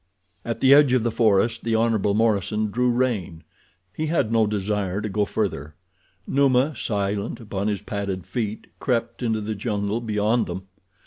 At the edge of the forest the Hon. Morison drew rein. He had no desire to go further. Numa, silent upon his padded feet, crept into the jungle beyond them.